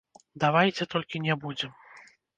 Давайце толькі не будзем!